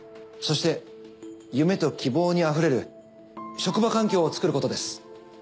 そして夢と希望に溢れる職場環境を作ることです。